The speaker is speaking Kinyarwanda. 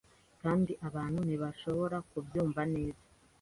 Kandi abantu ntibashobora kubyumva neza